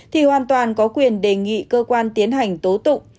thì hoàn toàn có quyền đề nghị cơ quan tiến hành tố tụng